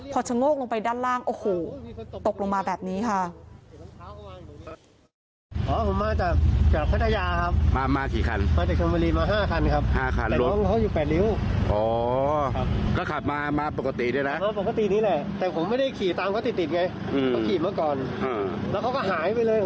พอชะโงกลงไปด้านล่างโอ้โหตกลงมาแบบนี้ค่ะ